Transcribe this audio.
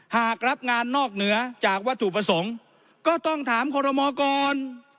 หากรับงานนอกเหนือจากวัตถุประสงค์ก็ต้องถามคอรมอก่อน